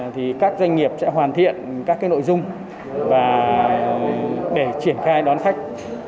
thì các doanh nghiệp sẽ hoàn thiện các cái nội dung để triển khai đón khách